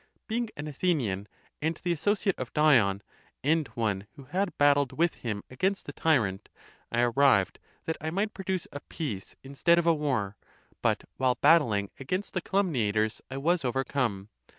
Being an Athenian, and the associate of Dion, and one who had battled with him against the tyrant, 1 arrived, that I might produce a peace instead of a war; but while battling against the calumniators I was overcome.